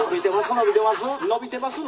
のびてます」。